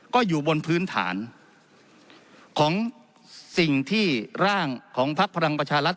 ก็อยู่บนพื้นฐานของสิ่งที่ร่างของพักพลังประชารัฐ